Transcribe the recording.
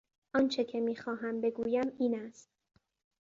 آنچه که میخواهم بگویم این است...